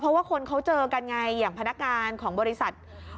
เพราะว่าคนเขาเจอกันไงอย่างพนักงานของบริษัท